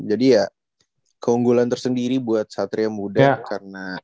ya keunggulan tersendiri buat satria muda karena